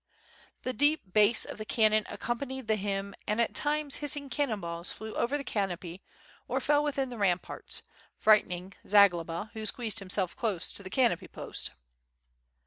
The deep bass of the cannon accompanied the hymn and at times hissing cannon balls flew over the canopy or fell within the ramparts, frightening Zagloba, who squeezed himself close to the canopy post.